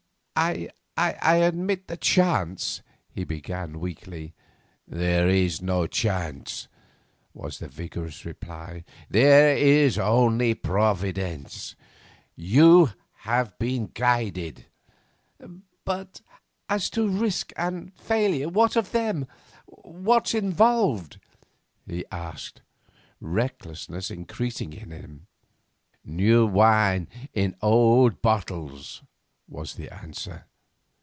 'I admit the chance,' he began weakly. 'There is no chance,' was the vigorous reply, 'there is only Providence. You have been guided.' 'But as to risk and failure, what of them? What's involved?' he asked, recklessness increasing in him. 'New wine in old bottles,' was the answer.